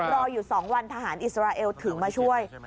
รอยอยู่สองวันอีศระเอลถึงมาช่วย